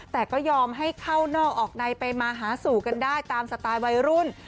แต่ก็ยอมให้เข้านอกออกในไปมาหาสู่กันได้ตามสไตล์วัยรุ่น